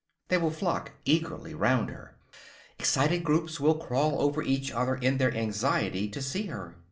They will flock eagerly round her; excited groups will crawl over each other in their anxiety to see her.